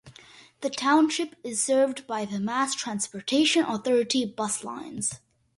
The township is served by the Mass Transportation Authority bus lines.